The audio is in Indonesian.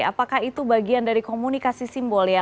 apakah itu bagian dari komunikasi simbolnya